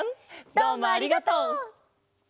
どうもありがとう！